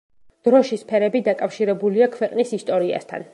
დროშის ფერები დაკავშირებულია ქვეყნის ისტორიასთან.